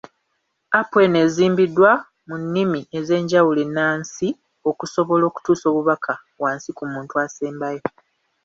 Apu eno ezimbiddwa mu nnimi ez'enjawulo ennansi okusobola okutuusa obubaka wansi ku muntu asembayo.